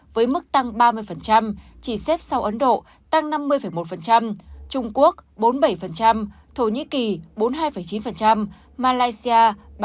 đường thứ năm tại khu vực châu á thái bình dương với mức tăng ba mươi chỉ xếp sau ấn độ tăng năm mươi một trung quốc bốn mươi bảy thổ nhĩ kỳ bốn mươi hai chín malaysia ba mươi bốn sáu